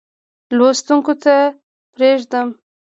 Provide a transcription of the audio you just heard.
لوستونکو ته پرېږدم.